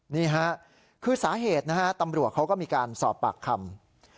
นี่ฮะคือสาเหตุนะฮะตำรวจเขาก็มีการสอบปากคำ